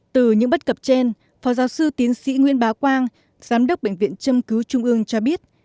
từ những bất cập trên phó giáo sư tiến sĩ nguyễn bá quang giám đốc bệnh viện châm cứu trung ương cho biết